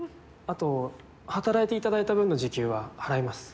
あと働いていただいた分の時給は払います。